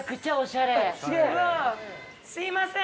すいません！